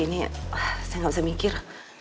ini saya gak usah mikir